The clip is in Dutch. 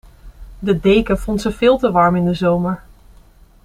De deken vond ze veel te warm in de zomer.